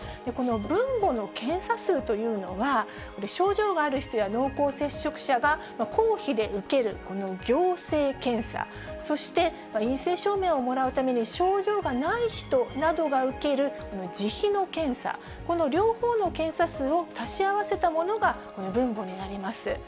この分母の検査数というのは、症状がある人や濃厚接触者が公費で受けるこの行政検査、そして陰性証明をもらうために症状がない人などが受ける自費の検査、この両方の検査数を足し合わせたものがこの分母になります。